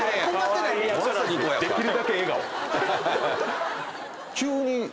できるだけ笑顔！